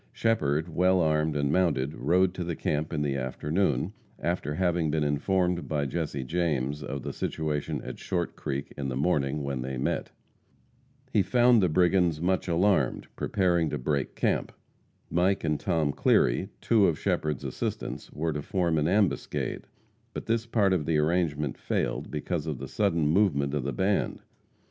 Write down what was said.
Shepherd, well armed and mounted, rode to the camp in the afternoon, after having been informed by Jesse James of the situation at Short Creek in the morning when they met. He found the brigands much alarmed, preparing to break camp. Mike and Tom Cleary, two of Shepherd's assistants, were to form an ambuscade, but this part of the arrangement failed because of the sudden movement of the band.